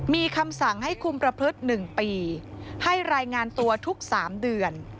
มีคำสั่งให้คุมประพฤติ๑ปีให้รายงานตัวทุก๓เดือน